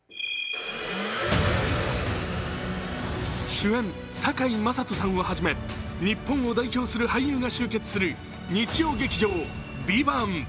主演・堺雅人さんをはじめ日本を代表する俳優が集結する日曜劇場「ＶＩＶＡＮＴ」。